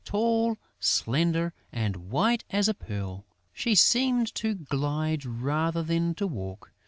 Tall, slender and white as a pearl, she seemed to glide rather than to walk.